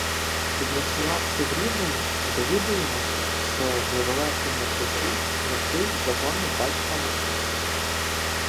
Підночувавши в Рівному, довідуємося, що в недалекому Куті ночують загони "батька" Махна.